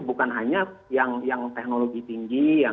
bukan hanya yang teknologi tinggi